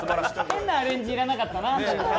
変なアレンジ要らなかったな。